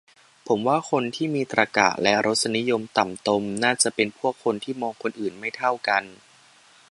ผมว่าคนที่มีตรรกะและรสนิยมต่ำตมน่าจะเป็นพวกคนที่มองคนอื่นไม่เท่ากัน